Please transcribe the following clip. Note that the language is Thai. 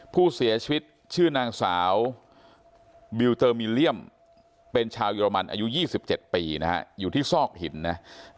ผู้เสียชีวิตชื่อนางสาวบิวเตอร์มิลเลี่ยมเป็นชาวเยอรมันอายุ๒๗ปีนะฮะอยู่ที่ซอกหินนะ